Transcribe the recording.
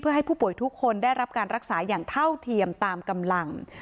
ให้ผู้ป่วยทุกคนได้รับการรักษาอย่างเท่าเทียมตามกำลัง